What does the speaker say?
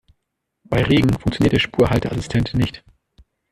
Bei Regen funktioniert der Spurhalteassistent nicht.